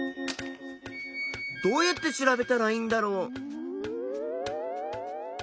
どうやって調べたらいいんだろう。